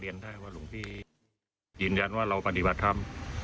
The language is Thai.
ยืนยันว่าเราปฏิบัติธรรม